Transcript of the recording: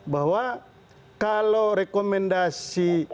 bahwa kalau rekomendasi